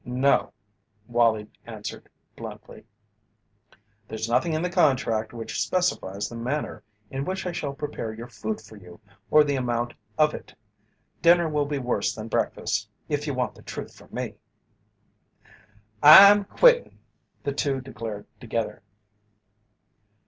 "No," Wallie answered, bluntly. "There's nothing in the contract which specifies the manner in which I shall prepare your food for you or the amount of it. Dinner will be worse than breakfast if you want the truth from me." "I'm quittin'!" the two declared together.